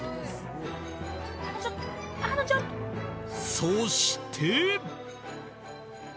そして。